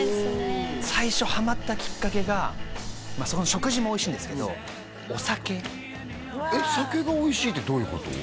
最初はまったきっかけが食事もおいしいんですけどお酒酒がおいしいってどういうこと？